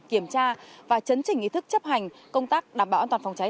kiểm tra và chấn chỉnh ý thức chấp hành công tác đảm bảo an toàn phòng cháy